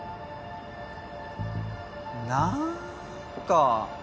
なんか。